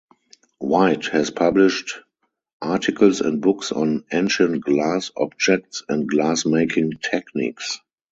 Wight has published articles and books on ancient glass objects and glass making techniques.